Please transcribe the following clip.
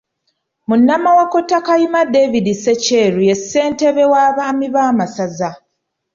Munnamawokota Kayima David Ssekyeru ye ssentebe w'Abaami b'amasaza.